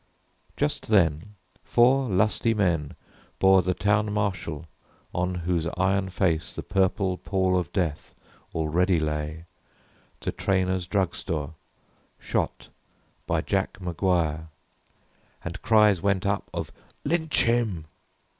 Just then, four lusty men Bore the town marshal, on whose iron face The purple pall of death already lay, To Trainor's drug store, shot by Jack McGuire. And cries went up of "Lynch him!"